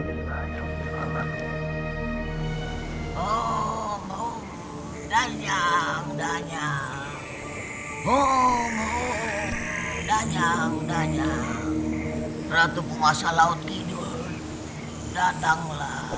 donnyng donnyng ratu penguasa laut kidul datanglah